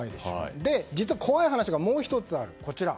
実は、怖い話がもう１つある。